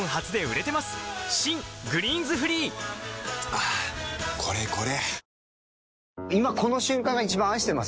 はぁこれこれ！